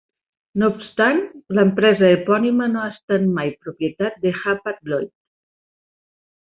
No obstant, l'empresa epònima no ha estat mai propietat de Hapag-Lloyd.